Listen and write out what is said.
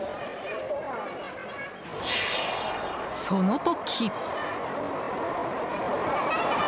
その時。